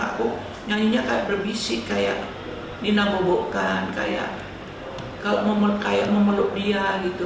aku nyanyinya kayak berbisik kayak nina bobokan kayak memeluk dia gitu